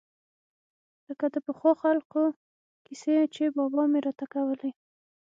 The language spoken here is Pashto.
لکه د پخوانو خلقو کيسې چې بابا مې راته کولې.